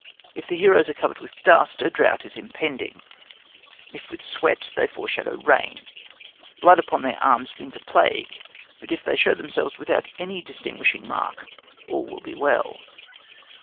If the heroes are covered with dust, a drought is impending; if with sweat, they foreshadow rain. Blood upon their arms means a plague; but if they show themselves without any distinguishing mark, all will be well.